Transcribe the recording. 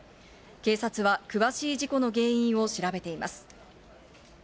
警察は詳しい事故の原因を調べています。